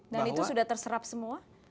dan itu sudah terserap semua